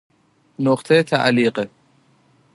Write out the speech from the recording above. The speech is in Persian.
نقطه تعلیق